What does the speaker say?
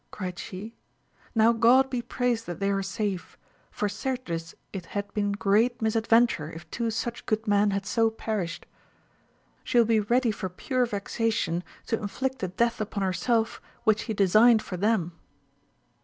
cried she : now (Jod be praised that they are safe, for certes it had been great misad venture if two such good men had so perished 1 She will be ready for pure vexation to inflict the death upon herself which she designed for them.